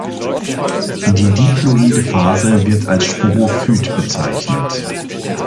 Die diploide Phase wird als Sporophyt bezeichnet.